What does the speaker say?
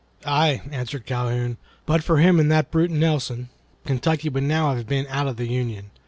"Aye!" answered Calhoun, "but for him and that brute Nelson, Kentucky would now have been out of the Union.